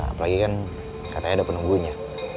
apalagi kan katanya ada penunggunya